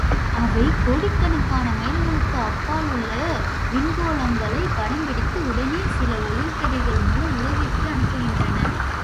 அவை கோடிக்கணக்கான மைல்களுக்கு அப்பாலுள்ள விண்கோளங்களை படம் பிடித்து உடனே சில ஒளிக்கதிர்கள் மூலம் உலகிற்கு அனுப்புகின்றன.